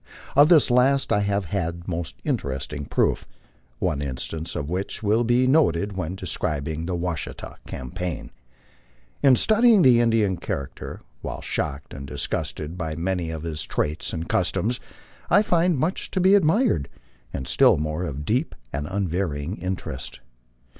Of this last I have had most interesting proof, one instance of which will be noted when describing the Washita campaign. In studying the Indian char acter, while shocked and disgusted by many of his traits and customs, I find much to be admired, and still more of deep and unvarying interest.